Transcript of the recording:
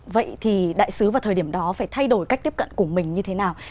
vậy thì đại sứ vào thời điểm đó phải thay đổi cách tiếp cận của mình như thế nào